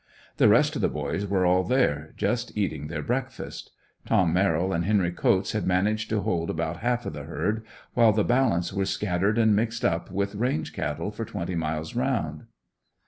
The rest of the boys were all there, just eating their breakfast. Tom Merril and Henry Coats had managed to hold about half of the herd, while the balance were scattered and mixed up with "range" cattle for twenty miles around.